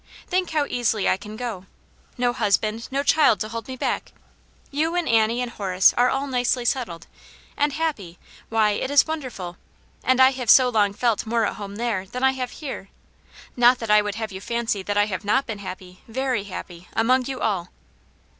Think how easily I can go ! No husband, no child to hold me back: you Aunt Janets Hero, 239 and Annie and Horace are all nicely settled, and happy ; why, it is wonderful ! And I have so long felt more at home there than I have here. Not that I would have you fancy that I have not been happy, very happy, among you all."